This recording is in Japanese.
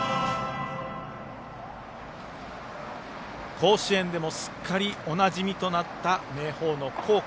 甲子園でもすっかりおなじみとなった明豊の校歌。